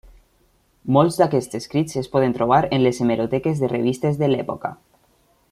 Molts d'aquests escrits es poden trobar en les hemeroteques de revistes de l'època.